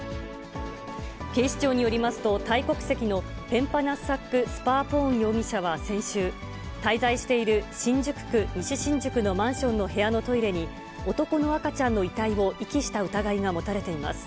警視庁によりますと、タイ国籍のペンパナッサック・スパーポーン容疑者は先週、滞在している新宿区西新宿のマンションの部屋のトイレに、男の赤ちゃんの遺体を遺棄した疑いが持たれています。